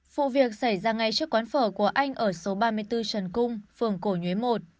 vụ việc xảy ra ngay trước quán phở của anh ở số ba mươi bốn trần cung phường cổ nhuế một